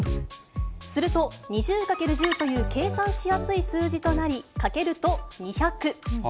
すると２０×１０という計算しやすい数字となり、かけると２００。